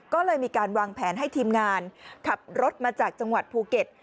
ก็เลยมีการวางแผนให้ทีมงานขับรถมาจากจังหวัดภูเก็ต